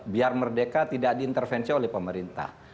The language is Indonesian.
biar merdeka tidak diintervensi oleh pemerintah